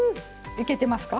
いけてますか？